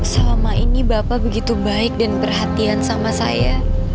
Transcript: selama ini bapak begitu baik dan perhatian sama saya